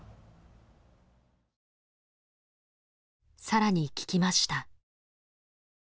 更に聞きました。